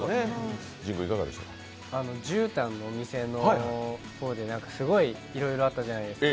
じゅうたんのお店の方ですごいいろいろあったじゃないですか。